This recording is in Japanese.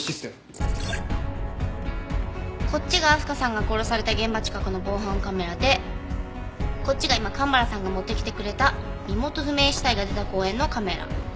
こっちが明日香さんが殺された現場近くの防犯カメラでこっちが今蒲原さんが持ってきてくれた身元不明死体が出た公園のカメラ。